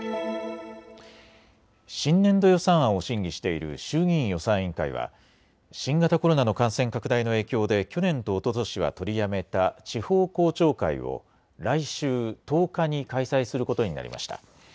新年度予算案を審議している衆議院予算委員会は新型コロナの感染拡大の影響で去年とおととしは取りやめた地方公聴会を来週１０日に開催することになりました。